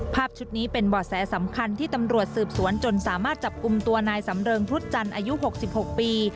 ภาพชุดนี้เป็นบ่อแสสำคัญที่ตำรวจสืบสวนจนสามารถจับกลุ่มตัวนายสำเริงพรุษจันทร์อายุ๖๖ปี